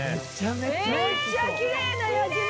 めっちゃきれいな焼き目！